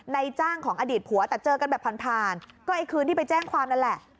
ในจ้างของอดีตผัวแต่เจอกันแบบผ่านผ่านก็ไอ้คืนที่ไปแจ้งความนั่นแหละ